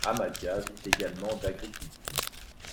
Hamadia vit également d'agriculture.